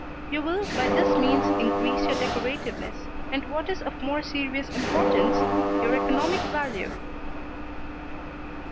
You will by this means increase your decorativeness, and what is of more serious importance, your economic value.